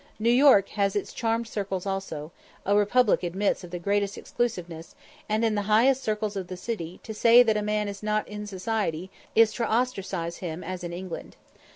New York has its charmed circles also; a republic admits of the greatest exclusiveness; and, in the highest circles of the city, to say that a man is not in society, is to ostracise him as in England.